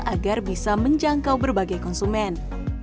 agar bisa menjangkau berbagai konsumen